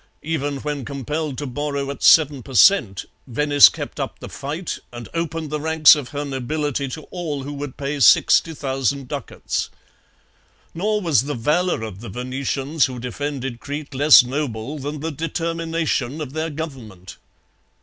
Even when compelled to borrow at seven per cent, Venice kept up the fight and opened the ranks of her nobility to all who would pay sixty thousand ducats. Nor was the valour of the Venetians who defended Crete less noble than the determination of their government.